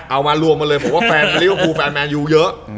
เอามารวมมาเลยผมว่าแฟนเรียกว่าผู้แฟนแมนอยู่เยอะ